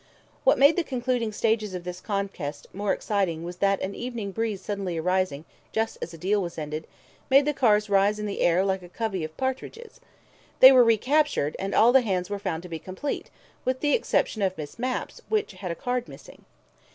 What made the concluding stages of this contest the more exciting was that an evening breeze suddenly arising just as a deal was ended, made the cards rise in the air like a covey of partridges. They were recaptured, and all the hands were found to be complete with the exception of Miss Mapp's, which had a card missing.